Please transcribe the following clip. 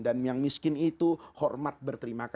dan yang miskin itu hormat berhubungan dengan allah